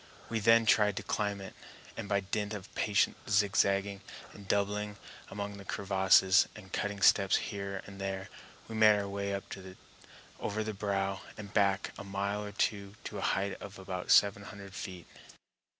We then tried to climb it, and by dint of patient zigzagging and doubling among the crevasses, and cutting steps here and there, we made our way up over the brow and back a mile or two to a height of about seven hundred feet.